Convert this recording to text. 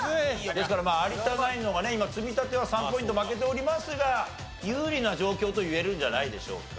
ですから有田ナインの方がね今積み立ては３ポイント負けておりますが有利な状況といえるんじゃないでしょうか。